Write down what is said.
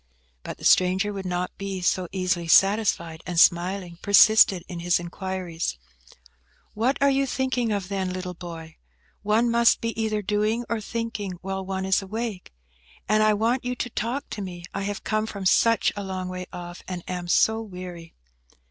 But the stranger would not be so easily satisfied, and smiling, persisted in his inquiries. "What are you thinking of, then, little boy? One must be either doing or thinking while one is awake. And I want you to talk to me. I have come from such a long way off, and am so weary."